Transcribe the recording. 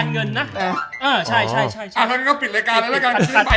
มากันก็ปิดรายการันแล้วนะ